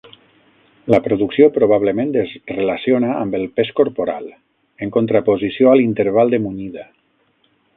La producció probablement es relaciona amb el pes corporal, en contraposició a l'interval de munyida.